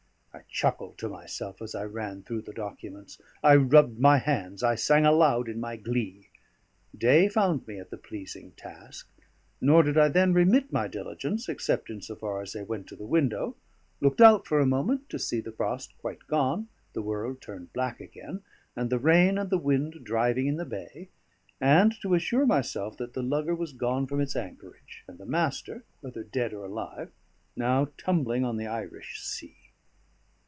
I chuckled to myself as I ran through the documents; I rubbed my hands, I sang aloud in my glee. Day found me at the pleasing task; nor did I then remit my diligence, except in so far as I went to the window looked out for a moment, to see the frost quite gone, the world turned black again, and the rain and the wind driving in the bay and to assure myself that the lugger was gone from its anchorage, and the Master (whether dead or alive) now tumbling on the Irish Sea.